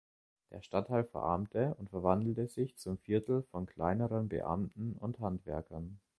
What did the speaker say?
Der Stadtteil verarmte und verwandelte sich zum Viertel von kleineren Beamten und Handwerkern.